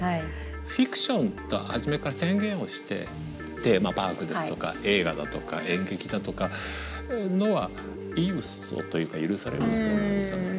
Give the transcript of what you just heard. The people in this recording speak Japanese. フィクションと初めから宣言をしてテーマパークですとか映画だとか演劇だとかのはいいウソというか許されるウソなんじゃないか。